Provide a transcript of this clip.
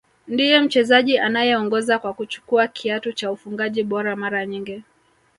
Ndiye mchezaji anayeongoza kwa kuchukua kiatu cha ufungaji bora mara nyingi